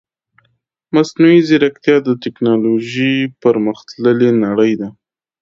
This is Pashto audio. مصنوعي ځيرکتيا د تکنالوژي پرمختللې نړۍ ده .